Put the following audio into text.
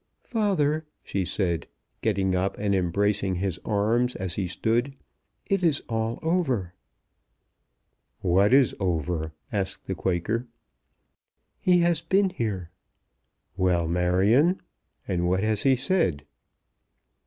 "Father," she said, getting up and embracing his arm as he stood, "it is all over." "What is over?" asked the Quaker. "He has been here." "Well, Marion; and what has he said?"